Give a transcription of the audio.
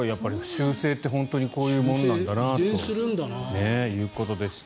習性ってこういうもんなんだなということでした。